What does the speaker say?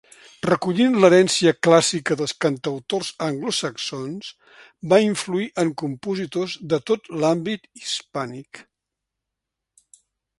Recollint l'herència clàssica dels cantautors anglosaxons, va influir en compositors de tot l'àmbit hispànic.